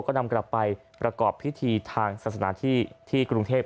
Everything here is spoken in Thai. ก็นำกลับไปประกอบพิธีทางศาสนาที่กรุงเทพ